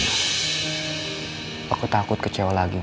aku takut kecewa lagi